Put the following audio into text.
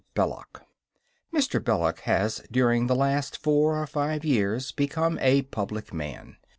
BELLOC Mr. Belloc has during the last four or five years become a public man.